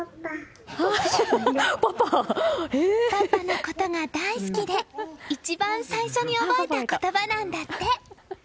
パパのことが大好きで一番最初に覚えた言葉なんだって。